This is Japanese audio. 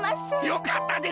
よかったです。